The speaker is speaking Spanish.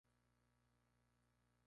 La siguiente semana en "SmackDown!